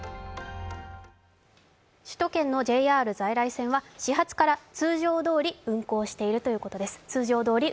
首都圏のＪＲ在来線は始発から通常どおり運行しています。